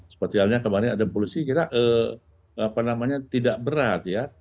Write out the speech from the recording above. seperti halnya kemarin ada polusi kira apa namanya tidak berat ya